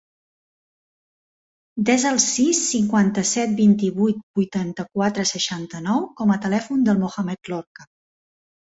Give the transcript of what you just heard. Desa el sis, cinquanta-set, vint-i-vuit, vuitanta-quatre, seixanta-nou com a telèfon del Mohammed Lorca.